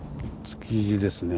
築地ですね。